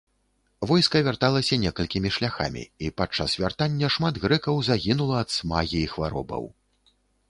Войска вярталася некалькімі шляхамі, і падчас вяртання шмат грэкаў загінула ад смагі і хваробаў.